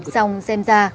xong xem ra